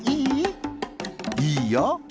「いいよ」。